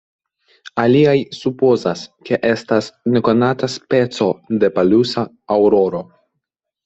Aliaj supozas, ke estas nekonata speco de polusa aŭroro.